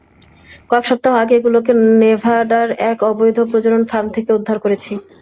কয়েক সপ্তাহ আগে এগুলোকে নেভাডার এক অবৈধ প্রজনন ফার্ম থেকে উদ্ধার করেছি।